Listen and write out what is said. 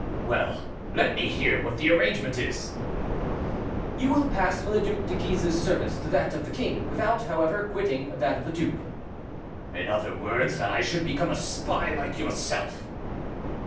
"Well, let me hear what the arrangement is." "You will pass from the Duc de Guise's service to that of the king, without, however, quitting that of the duc." "In other words, that I should become a spy like yourself?"